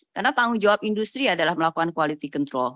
karena tanggung jawab industri adalah melakukan quality control